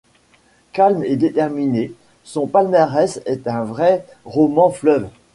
Calme et déterminée, son palmarès est un vrai roman fleuve.